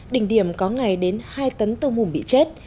đỉnh điểm có ngày đến hai tấn tôm hùm bị chết